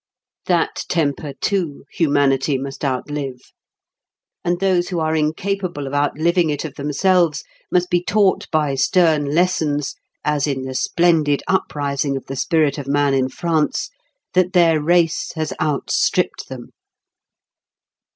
That temper, too, humanity must outlive. And those who are incapable of outliving it of themselves must be taught by stern lessons, as in the splendid uprising of the spirit of man in France, that their race has outstripped them.